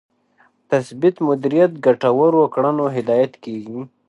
تثبیت مدیریت ګټورو کړنو هدایت کېږي.